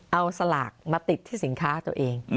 เอาสลากมาติดที่สินค้าตัวเอง